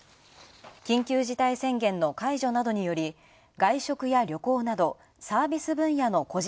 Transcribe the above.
緊急事態宣言の解除などにより、外食や旅行などサービス分野の個人